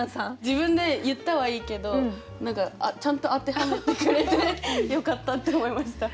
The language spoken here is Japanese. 自分で言ったはいいけどちゃんと当てはめてくれてよかったって思いました。